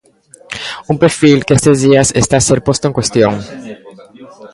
Un perfil que estes días está a ser posto en cuestión.